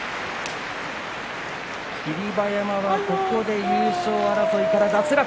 霧馬山は、ここで優勝争いから脱落。